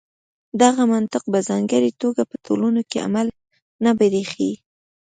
دغه منطق په ځانګړې توګه په ټولنو کې عملي نه برېښي.